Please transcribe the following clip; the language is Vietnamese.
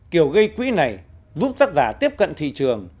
kiểu gây quý này giúp tác giả tiếp cận thị trường